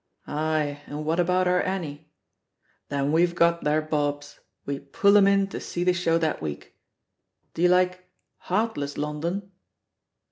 *Aye, and what about our Annie V Then we Ve got their bobs — we pull *em in to see the iShow that week I Do you like 'Heartless London'?